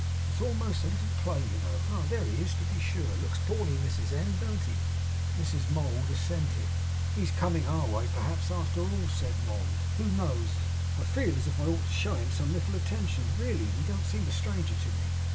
It's almost a little play, you know. Ah! There he is! To be sure. Looks poorly, Mrs M., don't he?' Mrs Mould assented. 'He's coming our way, perhaps, after all,' said Mould. 'Who knows! I feel as if I ought to show him some little attention, really. He don't seem a stranger to me.